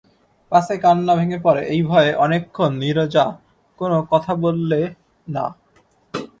পাছে কান্না ভেঙে পড়ে এই ভয়ে অনেকক্ষণ নীরজা কোনো কথা বললে না।